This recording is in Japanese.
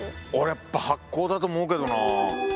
俺やっぱ発酵だと思うけどなあ。